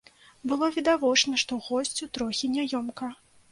Было відавочна, што госцю трохі няёмка.